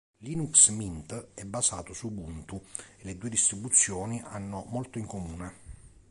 Linux Mint è basato su Ubuntu e le due distribuzioni hanno molto in comune.